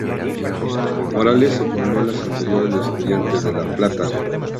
Morales, se formó en las Inferiores de Estudiantes de La Plata.